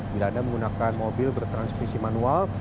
bila anda menggunakan mobil bertransmisi manual